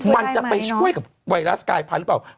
มันจะไปช่วยกับไวรัสกายพันธุ์หรือเปล่า